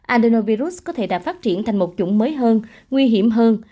adenovirus có thể đã phát triển thành một chủng mới hơn nguy hiểm hơn